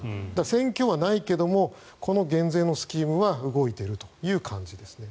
選挙はないけどもこの減税のスキームは動いているという感じですね。